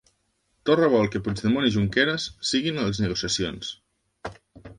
Torra vol que Puigdemont i Junqueras siguin a les negociacions